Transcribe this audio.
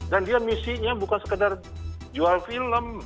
dan dia misinya bukan sekedar jual film